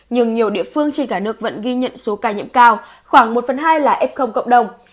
nhưng nhiều địa phương trên cả nước vẫn ghi nhận số ca nhiễm cao khoảng một phần hai là f cộng đồng